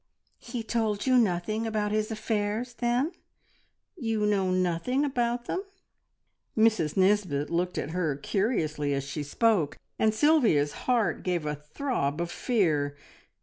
"He told you nothing about his affairs, then? You know nothing about them?" Mrs Nisbet looked at her curiously as she spoke, and Sylvia's heart gave a throb of fear.